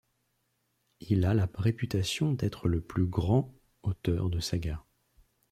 Il a la réputation d'être le plus grand auteur de sagas.